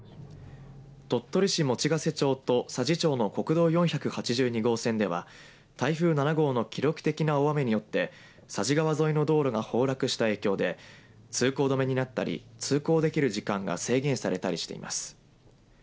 鳥取市用瀬町と佐治町の国道４８２号線では台風７号の記録的な大雨によって佐治川沿いの道路が崩落した影響で通行止めになったり通行できる時間が制限されたりしています。